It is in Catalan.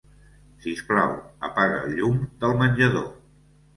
Sisplau, apaga el llum del menjador.